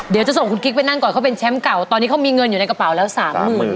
เดี๋ยวจะส่งคุณกิ๊กไปนั่งก่อนเขาเป็นแชมป์เก่าตอนนี้เขามีเงินอยู่ในกระเป๋าแล้วสามหมื่น